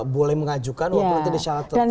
boleh mengajukan walaupun itu ada syarat tertentu gitu ya